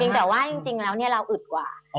แต่ว่าจริงแล้วเนี่ยเราอึดกว่า